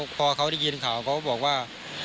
พอเขาได้ยินข่าวเขาบอกว่า